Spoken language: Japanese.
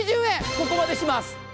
ここまでします。